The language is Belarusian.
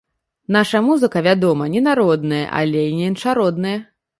Наша музыка, вядома, не народная, але і не іншародная.